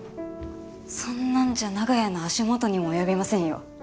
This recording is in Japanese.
そんなんじゃ長屋の足元にも及びませんよ。